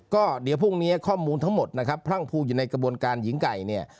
ก็เดี๋ยวพรุ่งนี้ข้อมูลทั้งหมดนะครับพรั่งภูอยู่ในกระบวนการหญิงไก่เนี่ย